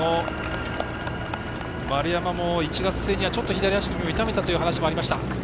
丸山も１月末には足首を痛めたという話もありました。